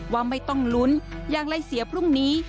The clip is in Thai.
ว่าไม่ต้องลุ้นอย่างไรเสียพรุ่งนี้